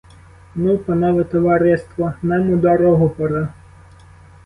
Ну, панове товариство, нам у дорогу пора.